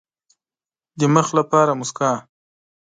د مخ لپاره موسکا.